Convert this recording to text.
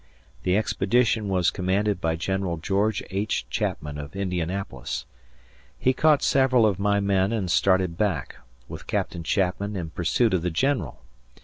The expedition was commanded by General George H. Chapman of Indianapolis. He caught several of my men and started back, with Captain Chapman in pursuit of the General.